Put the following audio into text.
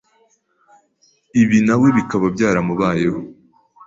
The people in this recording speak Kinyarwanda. ibi nawe bikaba byaramubayeho